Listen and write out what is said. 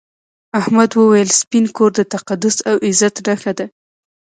احمد وویل سپین کور د تقدس او عزت نښه ده.